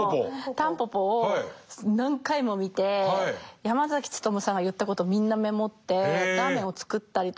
「タンポポ」を何回も見て山努さんが言ったことをみんなメモってラーメンを作ったりとか。